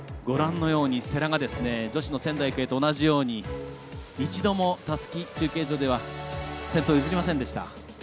世羅が、女子の仙台育英と同じように１度も、中継所では先頭を譲りませんでした。